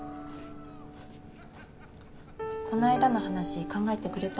こないだの話考えてくれた？